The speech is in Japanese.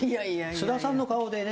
須田さんの顔でね。